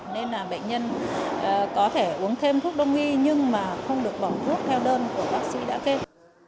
nên là bệnh nhân có thể uống thêm thuốc đông nghi nhưng mà không được bỏ thuốc theo đơn của bác sĩ đã kết